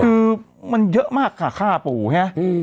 คือมันเยอะมากค่ะฆ่าปู่ฮะอื้อ